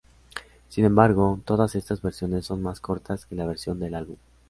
Sin embargo, todas estas versiones son más cortas que la versión del álbum.